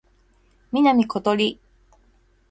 南ことり